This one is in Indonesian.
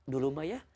dulu mah ya